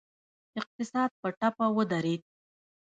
اقتصاد په ټپه ودرید.